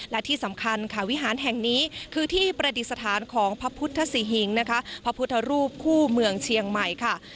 และที่สำคัญค่ะวิหารแห่งนี้คือที่ประดิษฐานของพระพุทธศรีหิงนะคะพระพุทธรูปคู่เมืองเชียงใหม่ค่ะ